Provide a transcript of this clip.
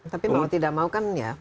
tapi mau tidak mau kan ya